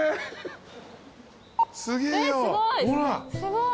すごい。